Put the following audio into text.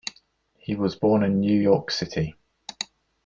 He was born in New York City.